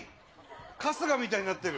春日みたいになってる。